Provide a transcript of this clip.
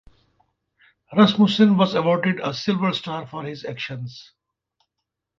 Rasmussen was awarded a Silver Star for his actions.